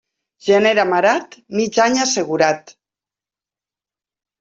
Gener amarat, mig any assegurat.